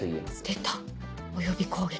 出た「および」攻撃。